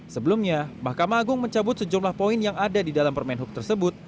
sebelumnya mahkamah agung mencabut sejumlah poin yang ada di dalam permen hub tersebut